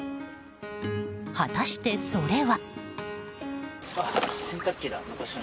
果たして、それは。